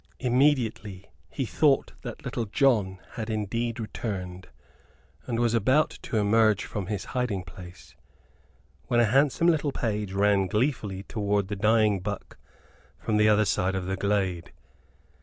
Immediately he thought that Little John had indeed returned; and was about to emerge from his hiding place, when a handsome little page ran gleefully towards the dying buck from the other side of the glade.